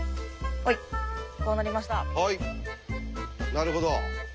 なるほど。